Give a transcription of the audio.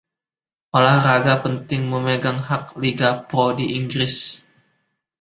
Olahraga Penting memegang hak Liga Pro di Inggris.